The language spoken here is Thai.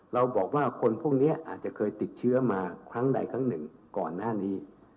เราบอกว่าคนพวกนี้อาจจะเคยติดเชื้อมาครั้งใดครั้งหนึ่งก่อนหน้านี้